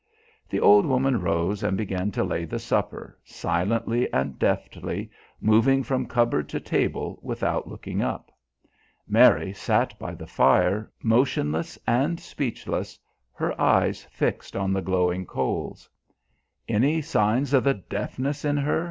The old woman rose and began to lay the supper, silently and deftly, moving from cupboard to table without looking up. Mary sat by the fire, motionless and speechless, her eyes fixed on the glowing coals. "Any signs o' the deafness in her?"